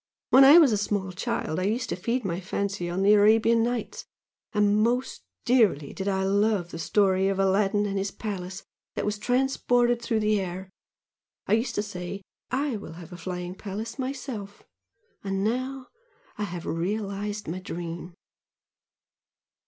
When I was a small child I used to feed my fancy on the 'Arabian Nights,' and most dearly did I love the story of Aladdin and his palace that was transported through the air. I used to say 'I will have a flying palace myself!' And now I have realised my dream."